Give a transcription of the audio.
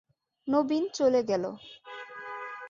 নবীন চলে গেল।